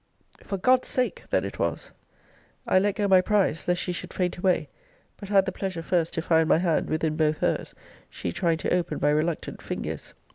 For God's sake, then it was. I let go my prize, lest she should faint away: but had the pleasure first to find my hand within both hers, she trying to open my reluctant fingers.